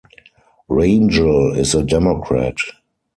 Rangel is a Democrat.